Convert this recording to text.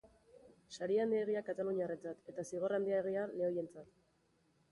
Sari handiegia kataluniarrentzat, eta zigor handiegia lehoientzat.